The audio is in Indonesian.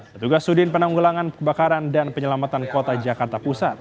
petugas sudin penanggulangan kebakaran dan penyelamatan kota jakarta pusat